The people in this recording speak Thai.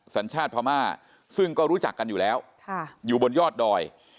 สัญชาติพม่าซึ่งก็รู้จักกันอยู่แล้วอยู่บนยอดดอย